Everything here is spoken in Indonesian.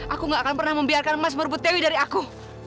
aku gak akan pernah membiarkan emas merebut dewi dari aku